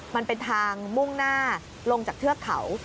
มันเป็นทางมุ่งหน้าลงจากเทือกเขา